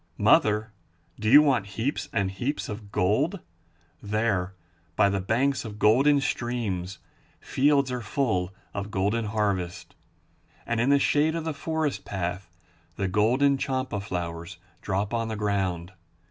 Mother, do you want heaps and heaps of gold? There, by the banks of golden streams, fields are full of golden harvest. And in the shade of the forest path the golden champa flowers drop on the ground.